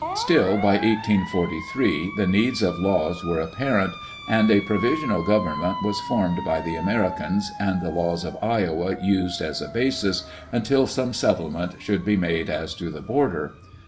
Still, by 1843, the needs of laws were apparent and a provisional government was formed by the Americans, and the laws of Iowa used as a basis, until some settlement should be made as to the border.